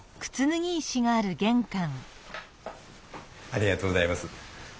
ありがとうございます。